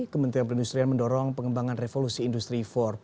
kementerian perindustrian mendorong pengembangan revolusi industri empat